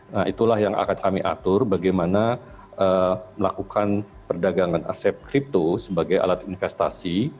nah itulah yang akan kami atur bagaimana melakukan perdagangan aset kripto sebagai alat investasi